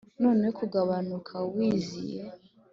noneho kugabanuka, wizize